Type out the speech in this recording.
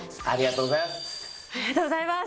ありがとうございます。